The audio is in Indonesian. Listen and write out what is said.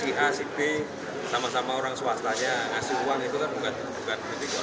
tapi kalau misalkan si a si b sama sama orang swastanya ngasih uang itu kan bukan tipikor